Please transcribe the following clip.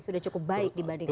sudah cukup baik dibandingkan